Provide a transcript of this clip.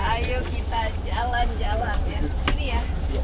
ayo kita jalan jalan ya